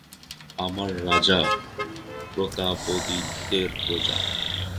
আমরা রাজা প্রতাপাদিত্যের প্রজা।